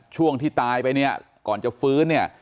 ช่วงที่ตายไปเนี่ยก่อนจะฟื้นเนี่ย